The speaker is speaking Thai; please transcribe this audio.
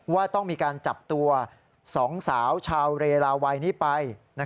ว่าต้องมีการจับตัว๒สาวชาวเรลาวัยนี้ไป